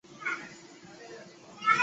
具体参见醛基与羧基。